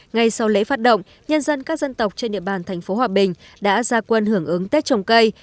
ngay sau lễ phát động nhân dân các dân tộc trên địa bàn thành phố hòa bình đã ra quân hưởng ứng tết trồng cây